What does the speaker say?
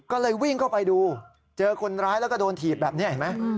ก็เลยวิ่งเข้าไปดูเจอคนร้ายแล้วก็โดนถีบแบบนี้เห็นไหม